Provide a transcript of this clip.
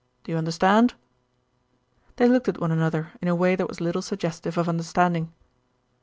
Do you understand?" They looked at one another in a way that was little suggestive of understanding.